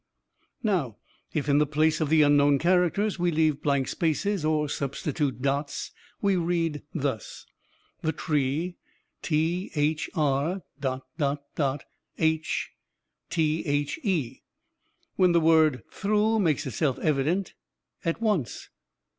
"Now, if, in the place of the unknown characters, we leave blank spaces, or substitute dots, we read thus: the tree thr...h the, when the word 'through' makes itself evident at once.